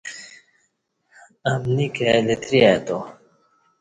امنی کائی لتری ائی تا۔